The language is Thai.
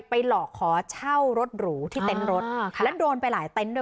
ไปหลอกขอเช่ารถหรูที่เต็นต์รถและโดนไปหลายเต็นต์ด้วย